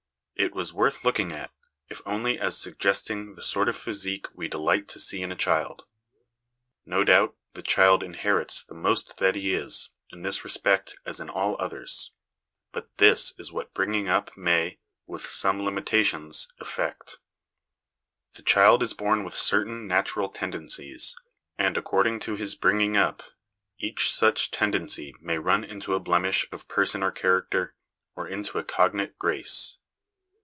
It was worth looking at, if only as suggesting the sort of physique we delight to see in a child. No doubt the child inherits the most that he is in this respect as in all others ; but this is what bringing up may, with some OUT OF DOOR LIFE FOR THE CHILDREN 95 limitations, effect : The child is born with certain natural tendencies, and, according to his bringing up, each such tendency may run into a blemish of person or character, or into a cognate grace.